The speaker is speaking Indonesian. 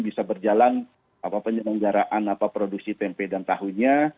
bisa berjalan penyelenggaraan produksi tempe dan tahunya